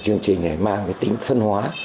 chương trình này mang tính phân hóa